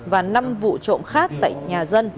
và năm vụ trộm khác tại nhà dân